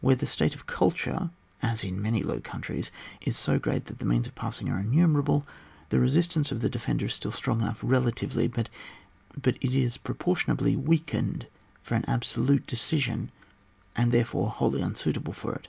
Where the state of culture, as in many low countries, is so great that the means of passing are innumerable, the resistance of the defender is still strong enough relatively, but it is proportion ably weakened for an absolute deci sion, and, therefore, wholly unsuitable for it.